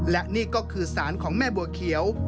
และนี่ก็คือสารของแม่บัวเขียว